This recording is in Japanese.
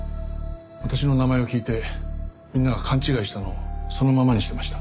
私の名前を聞いてみんなが勘違いしたのをそのままにしてました。